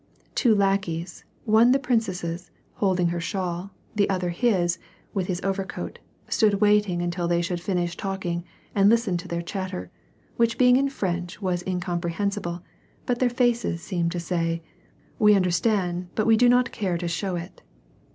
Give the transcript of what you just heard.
Two lackeys, one the princess's, holding her shawl, the other his, with his overcoat, stood waiting until they should finish talking and listened to their chatter, which being in French was incomprehensible, but their faces seemed to say, " We understand, but we do not care to show it."